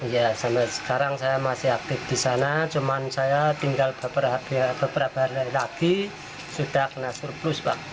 ya sampai sekarang saya masih aktif di sana cuma saya tinggal beberapa hari lagi sudah kena surplus pak